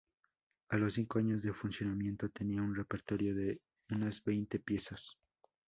A los cinco años de funcionamiento tenía un repertorio de unas veinte piezas.